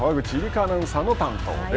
アナウンサーの担当です。